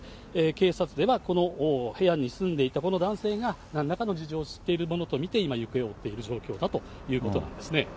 警察ではこの部屋に住んでいたこの男性が、なんらかの事情を知っているものと見て、今、行方を追っている状況だということなんですね。